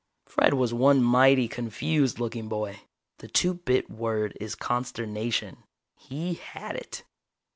Fred was one mighty confused looking boy. The two bit word is consternation. He had it.